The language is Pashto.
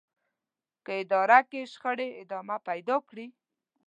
که اداره کې شخړې ادامه پيدا کړي.